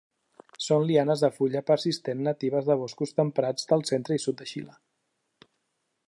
Són lianes de fulla persistent, natives de boscos temperats del centre i sud de Xile.